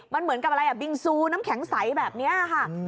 มันเหมือนกับอะไรอ่ะบิงซูน้ำแข็งใสแบบนี้ค่ะ